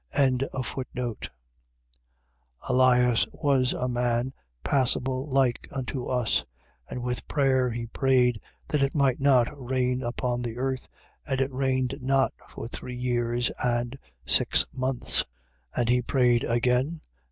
5:17. Elias was a man passible like unto us: and with prayer he prayed that it might not rain upon the earth. And it rained not for three years and six months. 5:18. And he prayed again.